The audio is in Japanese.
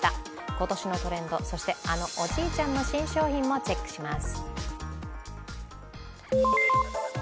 今年のトレンド、そしてあのおじいちゃんの新商品もチェックします。